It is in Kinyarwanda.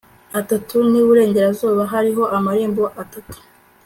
atatu n iburengerazuba hariho amarembo atatu